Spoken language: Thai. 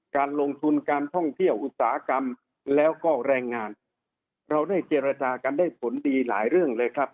การลงทุนการท่องเที่ยวอุตสาหกรรมแล้วก็แรงงานเราได้เจรจากันได้ผลดีหลายเรื่องเลยครับ